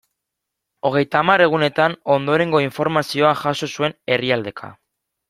Hogeita hamar egunetan ondorengo informazioa jaso zuen herrialdeka.